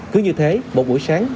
cứ như thế một buổi sáng